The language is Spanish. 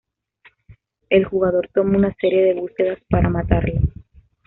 El jugador toma una serie de búsquedas para matarlo.